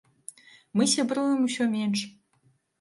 Мы сябруем усё менш.